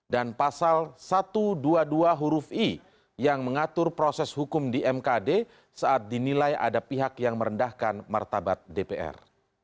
dan pasal satu ratus dua puluh dua huruf i yang mengatur proses hukum di mkd saat dinilai ada pihak yang merendahkan martabat dpr